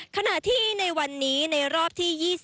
ขณะที่ในวันนี้ในรอบที่๒๔